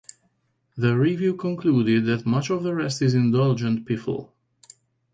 The review concluded that much of the rest is indulgent piffle.